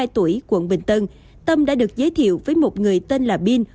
ba mươi hai tuổi quận bình tân tâm đã được giới thiệu với một người tên là bin